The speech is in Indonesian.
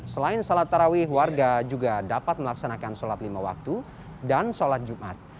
selain salat tarawih warga juga dapat melaksanakan sholat lima waktu dan sholat jumat